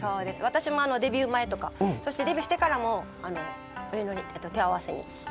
私もデビュー前とかそしてデビューしてからもお祈り、手を合わせに。